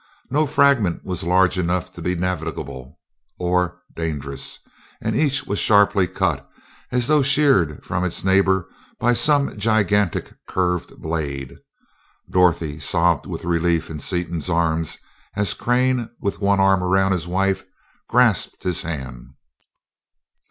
No fragment was large enough to be navigable or dangerous and each was sharply cut, as though sheared from its neighbor by some gigantic curved blade. Dorothy sobbed with relief in Seaton's arms as Crane, with one arm around his wife, grasped his hand.